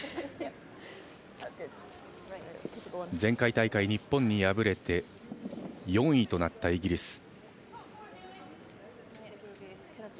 前回大会、日本に敗れて４位となったイギリス。